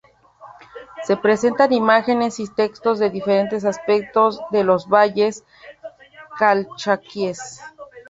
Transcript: Se presentan imágenes y textos de los diferentes aspectos de los Valles Calchaquíes.